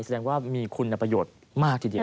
แสดงว่ามีคุณประโยชน์มากทีเดียว